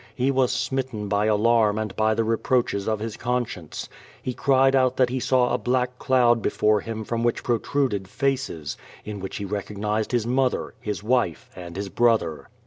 He was smitten by alarm and by the reproaches of his conscience. He cried out that he saw a black cloud before him from which pro^uded faces, in which he recognized his mother, his wife, arM his brother.